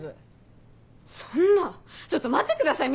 そんなちょっと待ってください